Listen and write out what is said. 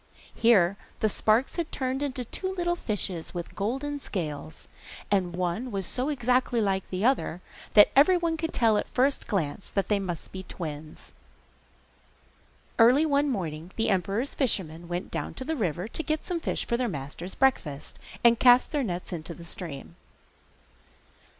Here the sparks had turned into two little fishes with golden scales, and one was so exactly like the other that everyone could tell at the first glance that they must be twins. Early one morning the emperor's fishermen went down to the river to get some fish for their master's breakfast, and cast their nets into the stream.